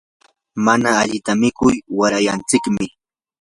mana alli mikuyta mikur wirayanchikmi.